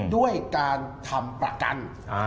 ด้วยการทำประกัน